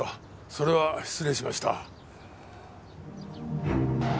それは失礼しました。